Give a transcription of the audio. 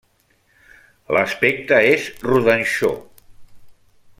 L'aspecte és rodanxó.